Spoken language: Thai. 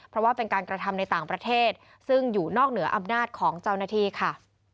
เพราะว่าเป็นการกระทำในต่างประเทศซึ่งอยู่นอกเหนืออำนาจของเจ้าหน้าที่ค่ะ